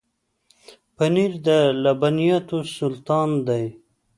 پنېر د لبنیاتو سلطان دی.